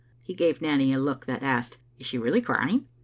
He gave Nanny a look that asked, " Is she really crying?"